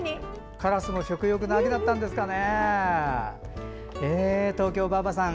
カラスも食欲の秋だったんですかね。